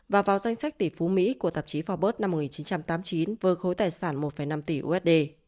và vào danh sách tỷ phú mỹ của tạp chí forbes năm một nghìn chín trăm tám mươi chín với khối tài sản một năm tỷ usd